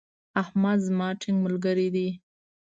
احمد زما ټينګ ملګری دی.